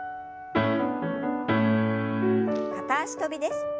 片脚跳びです。